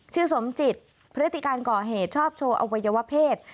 สมจิตพฤติการก่อเหตุชอบโชว์อวัยวะเพศ